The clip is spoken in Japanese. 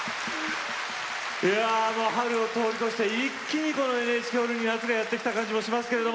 春を通り越して一気にＮＨＫホールが夏がやってきた感じがしますけど。